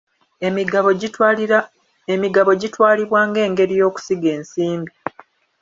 Emigabo gitwalibwa ng'engeri y'okusiga ensimbi.